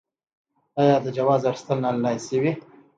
آیا د جواز اخیستل آنلاین شوي؟